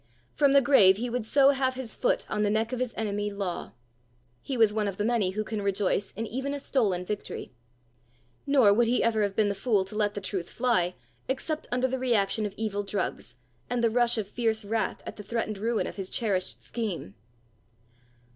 From the grave he would so have his foot on the neck of his enemy Law! he was one of the many who can rejoice in even a stolen victory. Nor would he ever have been the fool to let the truth fly, except under the reaction of evil drugs, and the rush of fierce wrath at the threatened ruin of his cherished scheme.